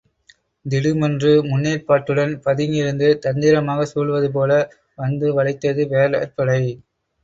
திடுமென்று முன்னேற்பாட்டுடன் பதுங்கியிருந்து தந்திரமாகச் சூழ்வதுபோல் வந்து வளைத்தது வேடர் படை.